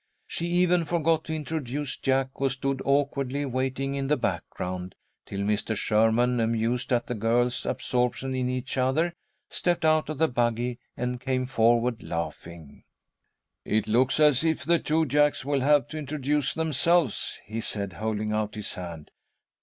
She even forgot to introduce Jack, who stood awkwardly waiting in the background, till Mr. Sherman, amused at the girls' absorption in each other, stepped out of the buggy and came forward, laughing. "It looks as if the two Jacks will have to introduce themselves," he said, holding out his hand.